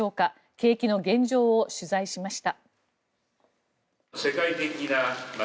景気の現状を取材しました。